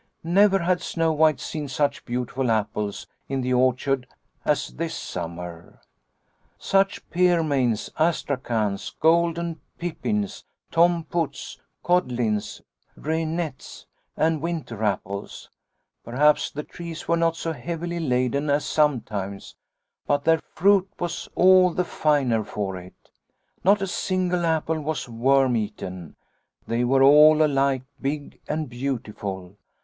Never had Snow White seen such beautiful apples in the orchard as this summer. Such pearmains, astrachans, golden pippins, 72 Liliecrona's Home Tom Putts, codlins, reinettes and winter apples ! Perhaps the trees were not so heavily laden as sometimes, but their fruit was all the finer for it. Not a single apple was worm eaten, they were all alike big and beautiful.